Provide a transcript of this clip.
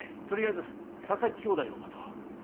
とりあえず佐々木兄弟を待とう。